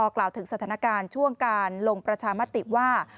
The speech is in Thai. กล่าวถึงสถานการณ์ช่วงการลงประชามติว่า